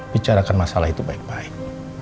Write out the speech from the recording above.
bicarakan masalah itu baik baik